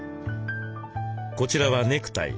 こちらはネクタイ。